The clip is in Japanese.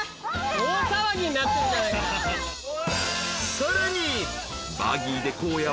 ［さらに］